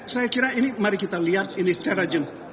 saya kira ini mari kita lihat ini secara jelas